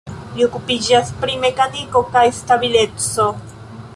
Li okupiĝas pri mekaniko kaj stabileco.